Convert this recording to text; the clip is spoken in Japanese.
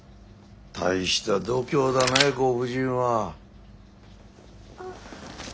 大した度胸だねご婦人は。